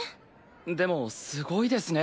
でもすごいですね